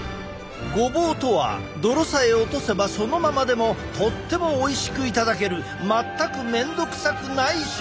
ごぼうとは泥さえ落とせばそのままでもとってもおいしく頂ける全く面倒くさくない食材だったのだ！